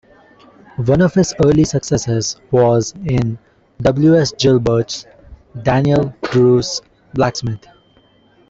One of his early successes was in W. S. Gilbert's "Dan'l Druce, Blacksmith".